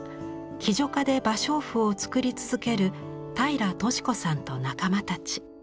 喜如嘉で芭蕉布を作り続ける平良敏子さんと仲間たち。